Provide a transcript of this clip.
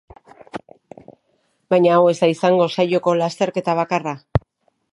Baina hau ez da izango saioko lasterketa bakarra.